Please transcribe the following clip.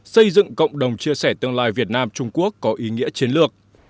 xây dựng cộng đồng chia sẻ tương lai việt nam trung quốc có ý nghĩa chiến lược